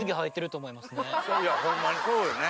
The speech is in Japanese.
ホンマにそうよね。